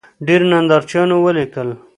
ډېرو نندارچیانو ولیکل